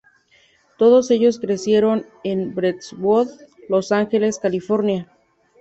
Todos ellos crecieron en Brentwood, Los Ángeles, California.